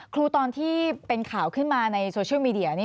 ตอนที่เป็นข่าวขึ้นมาในโซเชียลมีเดีย